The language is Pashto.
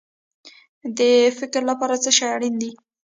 د فکر لپاره څه شی اړین دی؟